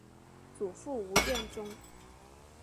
祖父吴彦忠。